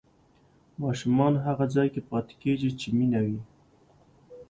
ماشومان هغه ځای کې پاتې کېږي چې مینه وي.